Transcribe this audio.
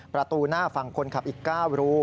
ประตูหน้าฝั่งคนขับอีก๙รู